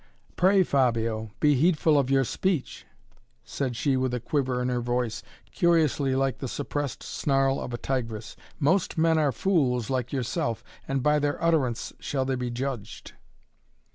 "Pray, Fabio, be heedful of your speech," said she with a quiver in her voice, curiously like the suppressed snarl of a tigress. "Most men are fools, like yourself, and by their utterance shall they be judged!"